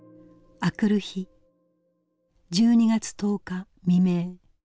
明くる日１２月１０日未明。